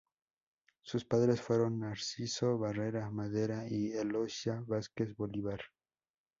Sus padres fueron Narciso Barrera Madera y Eloísa Vásquez Bolívar.